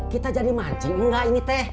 kita jadi mancing enggak ini teh